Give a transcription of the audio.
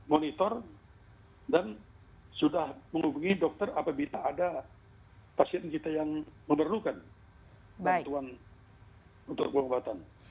monitor dan sudah menghubungi dokter apabila ada pasien kita yang memerlukan bantuan untuk pengobatan